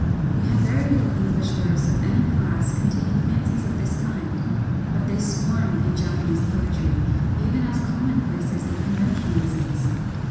We have very little English verse of any class con taining fancies of this kind ; but they swarm in Japanese poetry even as commonplaces and conventionalisms.